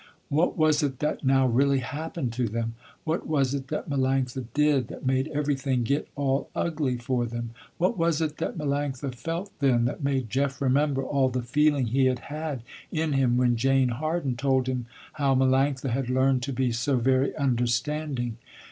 What was it that now really happened to them? What was it that Melanctha did, that made everything get all ugly for them? What was it that Melanctha felt then, that made Jeff remember all the feeling he had had in him when Jane Harden told him how Melanctha had learned to be so very understanding?